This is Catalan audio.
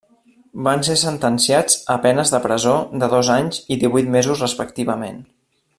Van ser sentenciats a penes de presó de dos anys i divuit mesos respectivament.